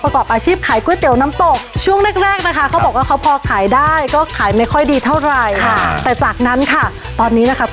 ก็จะอยู่ประมาณ๒๐๓๐นาที